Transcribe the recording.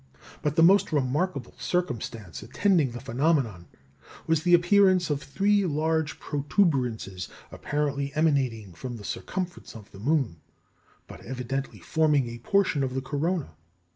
"But the most remarkable circumstance attending the phenomenon was the appearance of three large protuberances apparently emanating from the circumference of the moon, but evidently forming a portion of the corona.